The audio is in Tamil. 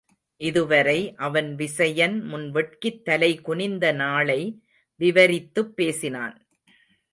இதுவரை அவன் விசயன் முன் வெட்கித் தலைகுனிந்த நாளை விவரித்துப்பேசினான்.